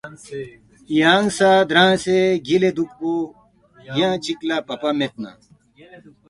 یانگسے درانگسے گیلے دوکپو، ینگ چکلا پاپا مید نا